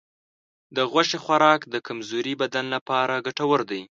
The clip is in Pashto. د غوښې خوراک د کمزورې بدن لپاره ګټور دی.